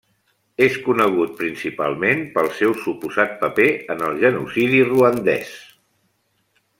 És conegut principalment pel seu suposat paper en el genocidi ruandès.